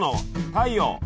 太陽。